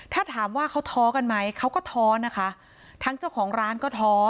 ถ้าถามว่าเขาท้อกันไหมเขาก็ท้อนะคะทั้งเจ้าของร้านก็ท้อ